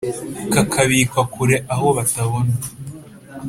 kakabikwa kure aho batabona